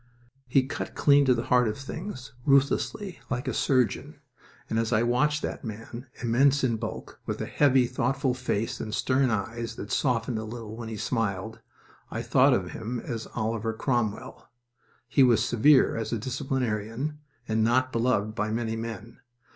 He cut clean to the heart of things, ruthlessly, like a surgeon, and as I watched that man, immense in bulk, with a heavy, thoughtful face and stern eyes that softened a little when he smiled, I thought of him as Oliver Cromwell. He was severe as a disciplinarian, and not beloved by many men.